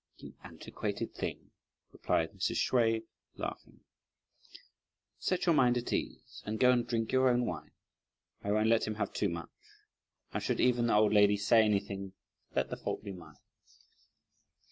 "You antiquated thing!" replied Mrs. Hsüeh laughing, "set your mind at ease, and go and drink your own wine! I won't let him have too much, and should even the old lady say anything, let the fault be mine."